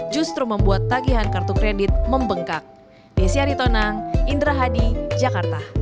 justru membuat tagihan kartu kredit membengkak